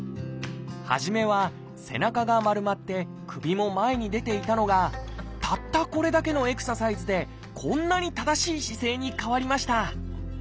初めは背中が丸まって首も前に出ていたのがたったこれだけのエクササイズでこんなに正しい姿勢に変わりました。